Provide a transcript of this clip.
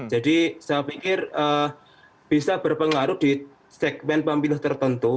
jadi saya pikir bisa berpengaruh di segmen pemilih tertentu